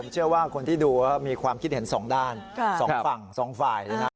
เชื่อว่าคนที่ดูมีความคิดเห็นสองด้านสองฝั่งสองฝ่ายเลยนะ